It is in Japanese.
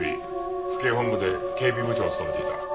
府警本部で警備部長を務めていた。